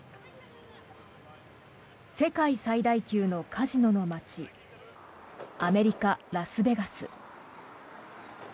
世界最大級のカジノの街アメリカ・ラスベガス。